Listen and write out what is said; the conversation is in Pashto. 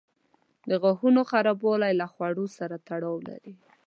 د غاښونو خرابوالی له خواړو سره تړاو لري.